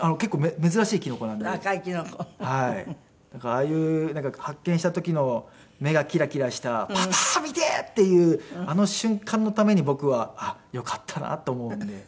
ああいうなんか発見した時の目がキラキラした「パパ見て！」っていうあの瞬間のために僕はあっよかったなと思うんで。